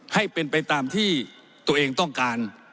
ให้เป็นไปตามที่ตัวเองต้องการ